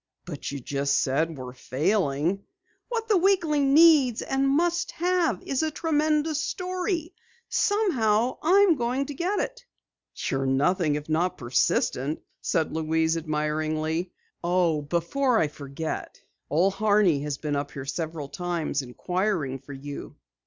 "But you just said we're failing " "What the Weekly needs and must have is a tremendous story! Somehow I'm going to get it!" "You're nothing if not persistent," said Louise admiringly. "Oh, before I forget it, Old Horney has been up here several times inquiring for you."